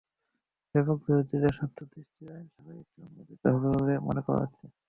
ব্যাপক বিরোধিতা সত্ত্বেও দেশটির আইনসভায় এটি অনুমোদিত হবে বলে মনে করা হচ্ছে।